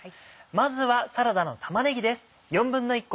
まずはサラダの玉ねぎです。